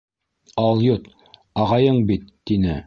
— Алйот, ағайың бит, — тине.